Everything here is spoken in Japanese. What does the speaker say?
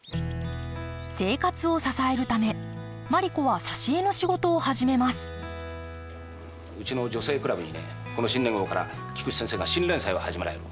生活を支えるためマリ子は挿絵の仕事を始めますうちの「女性倶楽部」にねこの新年号から菊池先生が新連載を始められる。